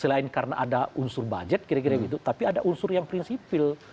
selain karena ada unsur budget kira kira gitu tapi ada unsur yang prinsipil